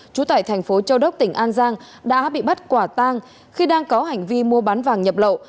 trú tại thành phố châu đốc tỉnh an giang đã bị bắt quả tang khi đang có hành vi mua bán vàng nhập lậu